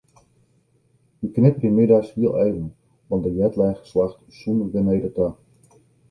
Wy knipperje middeis hiel even want de jetlag slacht sûnder genede ta.